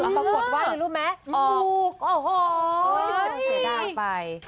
กดว่าด้วยรู้มั้ยอ๋อโอ้โหเอาเทรด้าไป